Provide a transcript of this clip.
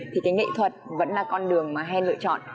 thì cái nghệ thuật vẫn là con đường mà hay lựa chọn